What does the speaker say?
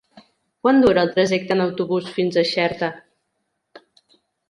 Quant dura el trajecte en autobús fins a Xerta?